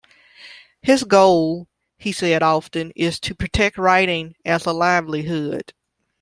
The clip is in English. His goal, he said often, is to protect writing as a livelihood.